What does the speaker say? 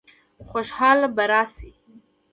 خوشحالي به راشي؟